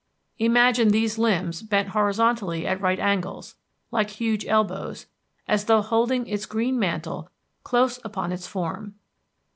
Imagine these limbs bent horizontally at right angles, like huge elbows, as though holding its green mantle close about its form.